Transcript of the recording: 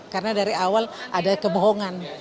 karena dari awal ada kebohongan